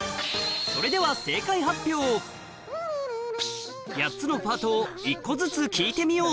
それでは８つのパートを１個ずつ聴いてみよう